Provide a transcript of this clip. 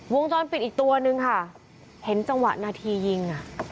วงจรปิดอีกตัวนึงค่ะเห็นจังหวะนาทียิงอ่ะ